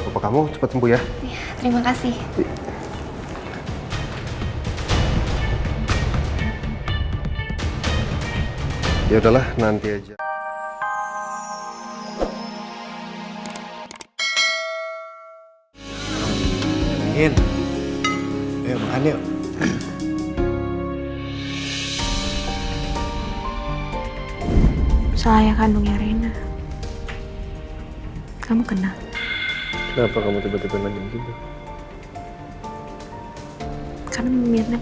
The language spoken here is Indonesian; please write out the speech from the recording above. mirna kasih tau rena kalau ayah kandungnya rena sudah meninggal